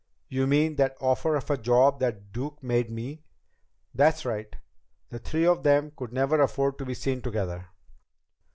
"You mean that offer of a job that Duke made me?" "That's right. The three of them could never afford to be seen together.